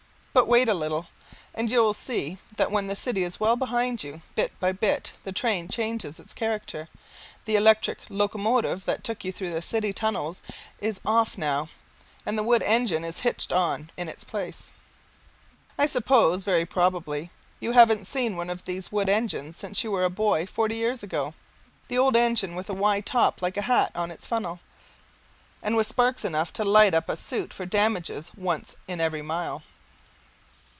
But wait a little, and you will see that when the city is well behind you, bit by bit the train changes its character. The electric locomotive that took you through the city tunnels is off now and the old wood engine is hitched on in its place. I suppose, very probably, you haven't seen one of these wood engines since you were a boy forty years ago, the old engine with a wide top like a hat on its funnel, and with sparks enough to light up a suit for damages once in every mile.